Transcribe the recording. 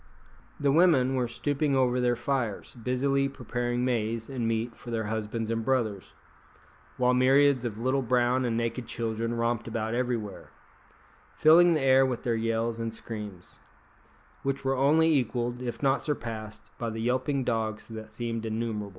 The women were stooping over their fires, busily preparing maize and meat for their husbands and brothers; while myriads of little brown and naked children romped about everywhere, filling the air with their yells and screams, which were only equalled, if not surpassed, by the yelping dogs that seemed innumerable.